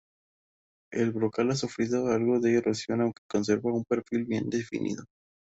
El brocal ha sufrido algo de erosión, aunque conserva un perfil bien definido.